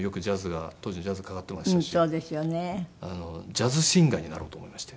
ジャズシンガーになろうと思いまして。